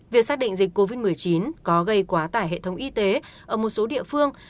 việc xác định dịch covid một mươi chín có gây quá tải hệ thống y tế ở một số địa phương